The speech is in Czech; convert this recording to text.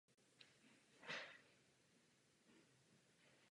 Přesto byl Amenhotep pro zdejší obyvatele důležitou osobností.